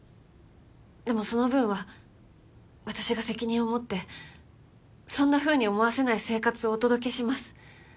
でもその分は私が責任を持ってそんなふうに思わせない生活をお届けします。